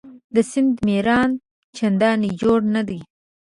د سیند میران چنداني جوړ نه دي.